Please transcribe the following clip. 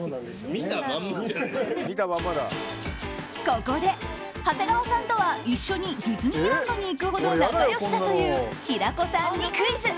ここで、長谷川さんとは一緒にディズニーランドに行くほど仲良しだという平子さんにクイズ。